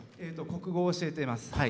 国語を教えています。